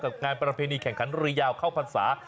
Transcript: กับงานประเพณีแข่งขันรุยยาวเข้าภาษา